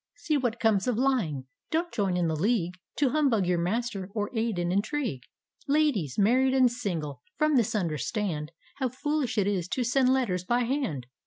See what comes of lying !— don't join in the lea^e To humbug your master or aid an intrigue 1 Ladies! married and single, from this understanil How foolish it is to send letters by hand